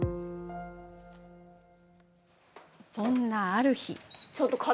そんな、ある日。